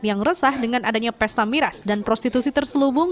yang resah dengan adanya pesta miras dan prostitusi terselubung